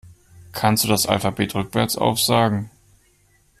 Kannst du das Alphabet rückwärts aufsagen?